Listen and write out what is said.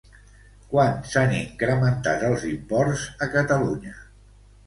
Quant s'han incrementat els imports a Catalunya?